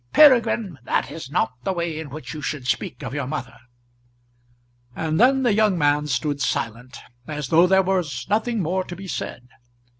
"Peregrine, that is not the way in which you should speak of your mother." And then the young man stood silent, as though there was nothing more to be said.